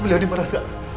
beliau di mana pak